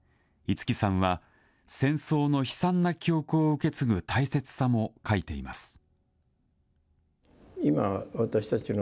五木さんは、戦争の悲惨な記憶を受け継ぐ大切さも書いています。